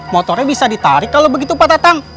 motornya bisa ditarik kalau begitu pak tatang